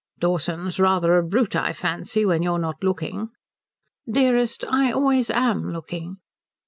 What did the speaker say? "Dawson's rather a brute I fancy, when you're not looking." "Dearest, I always am looking."